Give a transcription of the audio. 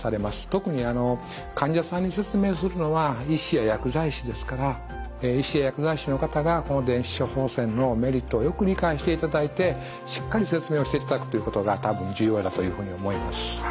特に患者さんにお勧めするのは医師や薬剤師ですから医師や薬剤師の方がこの電子処方箋のメリットをよく理解していただいてしっかり説明をしていただくということが多分重要だというふうに思います。